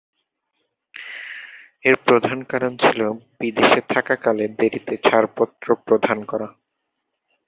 এর প্রধান কারণ ছিল বিদেশে থাকাকালে দেরীতে ছাড়পত্র প্রদান করা।